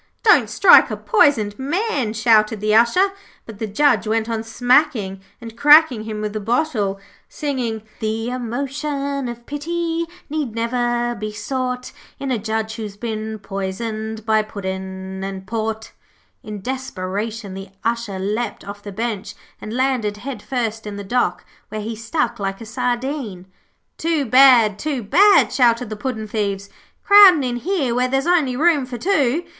'Don't strike a poisoned man,' shouted the Usher; but the Judge went on smacking and cracking him with the bottle, singing 'The emotion of pity Need never be sought In a Judge who's been poisoned By Puddin' and Port.' In desperation, the Usher leapt off the bench, and landed head first in the dock, where he stuck like a sardine. 'Too bad, too bad,' shouted the puddin' thieves. 'Crowding in here where there's only room for two.'